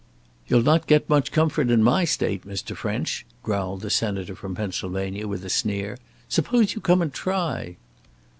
"You'll not get much comfort in my State, Mr. French," growled the senator from Pennsylvania, with a sneer; "suppose you come and try."